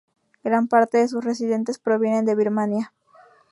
Gran parte de sus residentes provienen de Birmania.